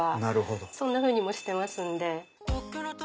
そんなふうにもしてますんで。